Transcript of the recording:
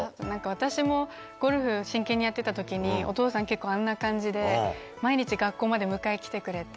私もゴルフ真剣にやってた時にお父さん結構あんな感じで毎日学校まで迎え来てくれて。